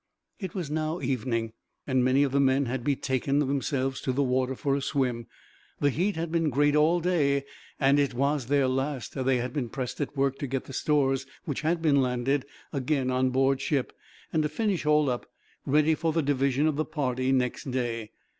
It was now evening, and many of the men had betaken themselves to the water, for a swim. The heat had been great all day, and as it was their last, they had been pressed at work to get the stores, which had been landed, again on board ship; and to finish all up, ready for the division of the party, next day.